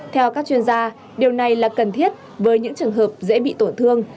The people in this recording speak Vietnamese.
theo các chuyên gia điều này là cần thiết với những trường hợp dễ bị tổn thương